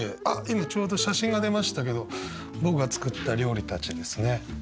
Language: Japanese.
あっ今ちょうど写真が出ましたけど僕が作った料理たちですね。